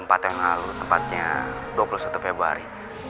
empat yang lalu tepatnya dua puluh satu februari